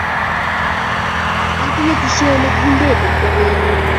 Kiatinye tisie ne kinte eng' tokenyu